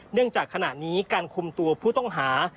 จากขณะนี้การคุมตัวผู้ต้องหา